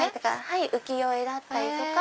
はい浮世絵だったりとか。